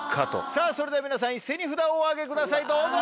さぁそれでは皆さん一斉に札をお上げくださいどうぞ！